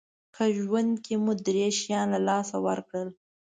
که ژوند کې مو درې شیان له لاسه ورکړل